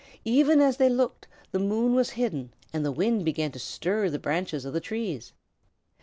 Even as they looked the moon was hidden and the wind began to stir the branches of the trees.